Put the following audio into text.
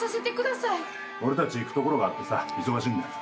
俺たち行く所があってさ忙しいんだよ。